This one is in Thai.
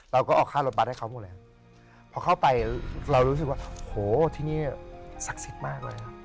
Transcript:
เราก็ออกค่ารถบัตรให้เขาหมดแล้วพอเข้าไปเรารู้สึกว่าโหที่นี่ศักดิ์สิทธิ์มากเลย